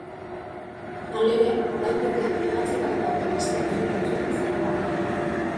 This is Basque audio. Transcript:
Halere, oraindik ebatzi gabe dauden beste auzi batzuen zain dago.